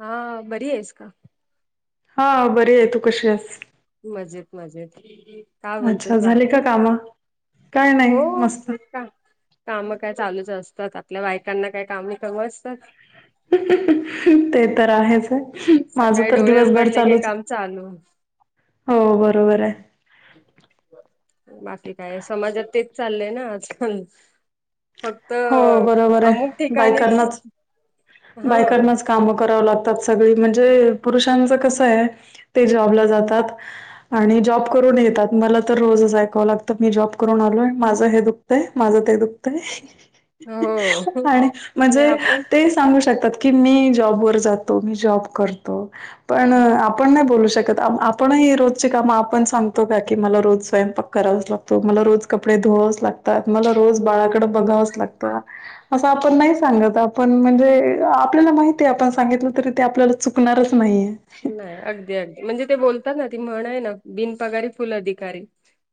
हा बरी आहेस का? हा बर आहे तू कशी आहेस? मजेत मजेत का अच्छा बोलतेस झाली का बाकी कामं? काय नाही हो मस्त का? काम काय चालूच असतात आपल्या बायकांना काय काम कम असतात. ते तर आहेच आहे माझं सकाळी तर डोळे दिवसभर उघडले क चालूच काम चालू हो बरोबर आहे. बाकी काय समाजात तेच चाललंय ना आजकाल फक्त हो बरोबर अमुक आहे. ठिकाणी बायकांनाच हा बायकांनाच कामं कराव लागतात सगळी म्हणजे पुरुषांचं कसं आहे ते जॉबला जातात आणि जॉब करून येतात मला तर रोजच ऐकावं लागत. मी जॉब करून आलोय माझं हे दुःखतय माझं ते दुखतय. हो आणि आणि म्हणजे आपण ते सांगू शकतात. की मी जॉबवर जातो मी जॉब करतो पण हा आपण नाही बोलू शकत. आपणही रोजची कामं आपण सांगतो का की मला रोज स्वयंपाक करावाच लागतो मला रोज कपडे धुवावंच लागतं. मला रोज बाळाकडे बघावंच लागतं असं आपण नाही हा सांगत. आपण म्हणजे आपल्याला माहिती आहे आपण सांगितलं तरी ते आपल्याला चुकणारच नाहीय. नाही अगदी अगदी म्हणजे ते बोलतात ना ती म्हणय ना बिन पगारी फुल अधिकारी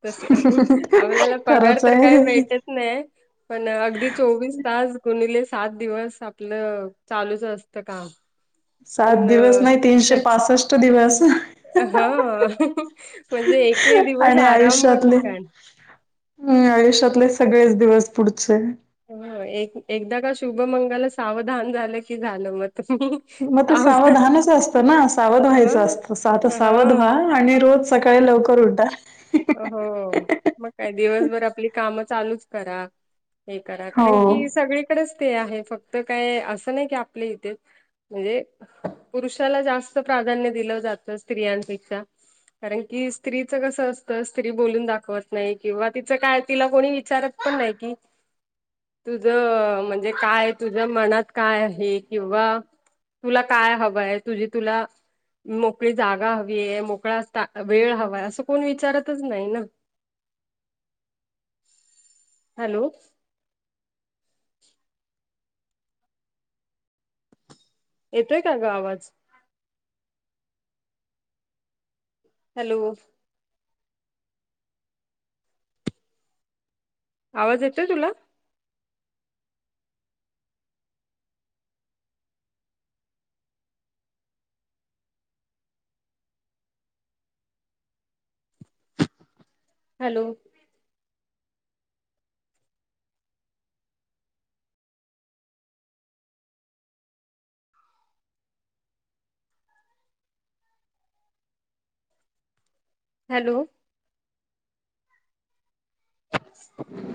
तस आपल्याला पगार खरंच तर काय आहे भेटत नाही. पण अगदी चोवीस तास गुणिले सात दिवस आपलं चालूच असत काम सात पण दिवस नाही तीनशे त्याच पासष्ट दिवस. हा. म्हणजे एक एक दिवस आराम म्हणून खण हम् आयुष्यातले सगळेच दिवस पुढचे हो एक एकदा का शुभमंगाल सावधान झालं की झालं मग तम् मग ते सावधानच असतं ना सावध व्हायचं हां असतंता सावध हां व्हा. आणि रोज सकाळी लवकर उठार हो मग काय दिवसभर आपली काम चालूच करा. हे करा कारण की हो सगळीकडेच ते आहे फक्त काय असं नाही की आपले इथे म्हणजे पुरुषाला जास्त प्राधान्य दिलं जातं स्त्रियांपेक्षा कारण की स्त्रीचं कसं अस. स्त्री बोलून दाखवत नाही किंवा तिचं काय तिला कोणी विचारत पण नाही कि तुझं म्हणजे काय तुझ्या मनात काय आहे किंवा तुला काय हवं आहे तुझी तुला? मोकळी जागा हवी आहे मोकळा वेळ हवा असं कोण विचारत. नाही ना हॅलो. येतोय का ग आवाज हॅलो आवाज येतय तुला हॅलो हॅलो ह